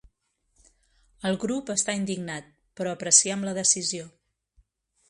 El grup està indignat, però apreciem la decisió.